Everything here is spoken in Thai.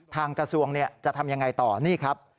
ทางกระทรวงจะทำยังไงต่อนี่ครับ